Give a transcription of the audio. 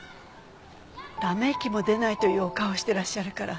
ため息も出ないというお顔をしてらっしゃるから